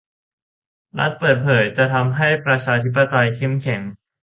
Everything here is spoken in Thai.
รัฐเปิดเผยจะทำให้ประชาธิปไตยเข้มแข็ง